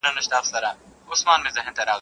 وينه په وينو نه پاکېږي.